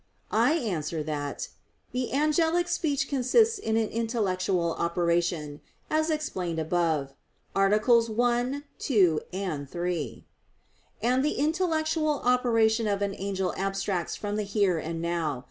I answer that, The angelic speech consists in an intellectual operation, as explained above (AA. 1, 2, 3). And the intellectual operation of an angel abstracts from the "here and now."